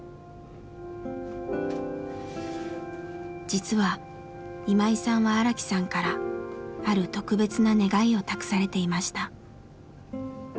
実は今井さんは荒木さんからある特別な願いを託されていました。